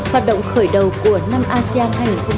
hoạt động khởi đầu của năm asean hai nghìn hai mươi